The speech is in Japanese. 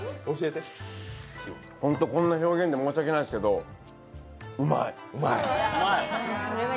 ホントこんな表現で申し訳ないですけど、うまい！